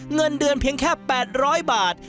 เงินเดือนเพียงแค่๘๐๐บาท